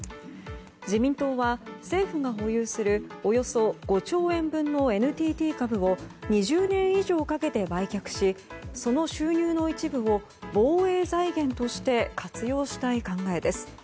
自民党は、政府が保有するおよそ５兆円分のＮＴＴ株を２０年以上かけて売却しその収入の一部を防衛財源として活用したい考えです。